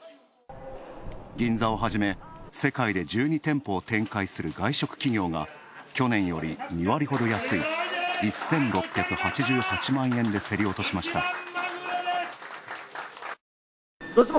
銀座をはじめ世界で１２店舗を展開する外食企業が去年より２割ほど安い１６８８万円で競り落としました。